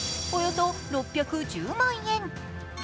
およそ６１０万円。